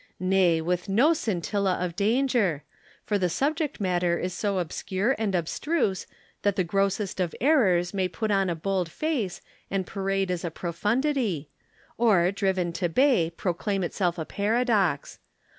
Nay, with no scintilla of danger; for the subject matter is so obscure and abstruse that the grossest of errors may put on a bold face and parade as a profundity, or, driven to bay, proclaim itself a paradox.